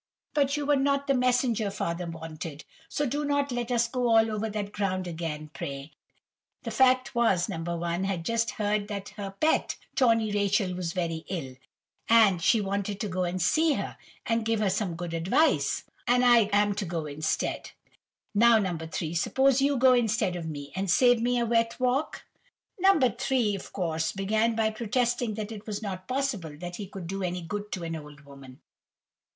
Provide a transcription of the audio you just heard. "But you were not the messenger father wanted, so do not let us go all over that ground again, pray. The fact was, No. 1 had just heard that her pet 'Tawny Rachel' was very ill, and she wanted to go and see her, and give her some good advice, and I am to go instead. Now No. 3, suppose you go instead of me, and save me a wet walk?" No. 3, of course, began by protesting that it was not possible that he could do any good to an old woman.